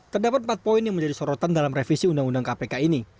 terdapat empat poin yang menjadi sorotan dalam revisi undang undang kpk ini